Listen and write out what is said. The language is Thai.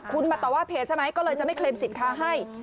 คุณมาต่อว่าเพจใช่ไหมก็เลยจะไม่เคลมสินค้าให้